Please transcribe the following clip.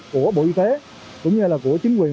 của bộ y tế cũng như là của chính quyền